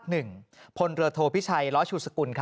พลเรือโทพิชัยล้อชูสกุล